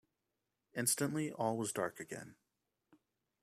Instantly all was dark again.